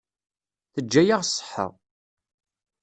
Teǧǧa-yaɣ ṣṣeḥḥa.